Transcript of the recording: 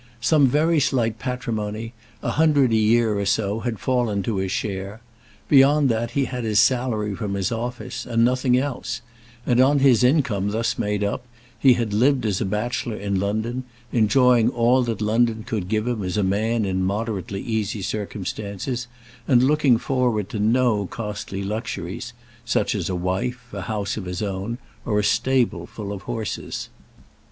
Some very slight patrimony, a hundred a year or so, had fallen to his share. Beyond that he had his salary from his office, and nothing else; and on his income, thus made up, he had lived as a bachelor in London, enjoying all that London could give him as a man in moderately easy circumstances, and looking forward to no costly luxuries, such as a wife, a house of his own, or a stable full of horses.